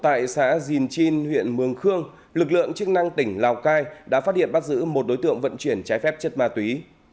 trong quá trình làm nhiệm vụ tại xã dinh huyện mường khương lực lượng chức năng tỉnh lào cai đã phát hiện bắt giữ một đối tượng vận chuyển trái phép chất ma túy